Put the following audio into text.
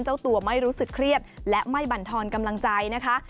เจ้าตัวไม่รู้สึกเครียดและไม่บรรทอนกำลังใจนะคะ